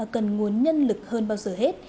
cần nguồn nhân lực hơn bao giờ hết